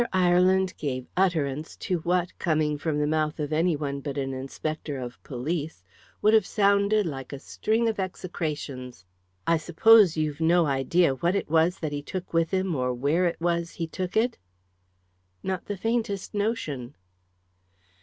Ireland gave utterance to what, coming from the mouth of any one but an inspector of police, would have sounded like a string of execrations. "I suppose you've no idea what it was that he took with him or where it was he took it?" "Not the faintest notion."